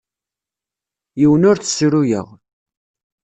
Yiwen ur t-ssruyeɣ.